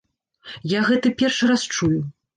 Я гэта першы раз чую.